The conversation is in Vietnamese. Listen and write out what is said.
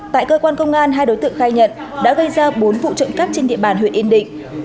tại cơ quan công an hai đối tượng khai nhận đã gây ra bốn vụ trộm cắp trên địa bàn huyện yên định